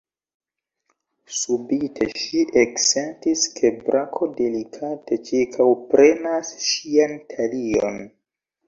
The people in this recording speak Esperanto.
Subite ŝi eksentis, ke brako delikate ĉirkaŭprenas ŝian talion.